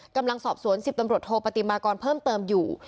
กำลังสอบสวน๑๐ตำรวจโทปฏิมากรเพิ่มเติมอยู่